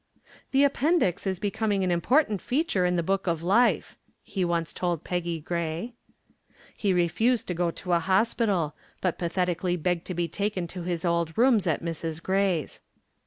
"The appendix is becoming an important feature in the Book of Life," he once told Peggy Gray. He refused to go to a hospital, but pathetically begged to be taken to his old rooms at Mrs. Gray's.